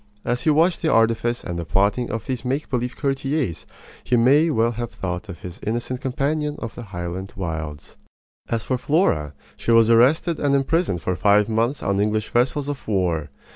As he watched the artifice and the plotting of these make believe courtiers he may well have thought of his innocent companion of the Highland wilds. As for Flora, she was arrested and imprisoned for five months on English vessels of war.